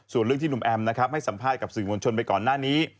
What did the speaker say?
ส่วนเรื่องที่หนุ่มแอมนะครับให้สัมภาษณ์กับสื่อมวลชนไปก่อนหน้านี้